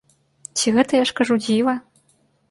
Ці гэта, я ж кажу, дзіва?!